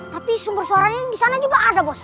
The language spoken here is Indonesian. tapi sumber suaranya di sana juga ada bos